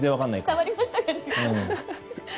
伝わりましたかね。